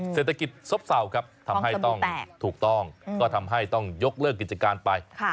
เศรษฐกิจซบเศร้าครับทำให้ต้องถูกต้องก็ทำให้ต้องยกเลิกกิจการไป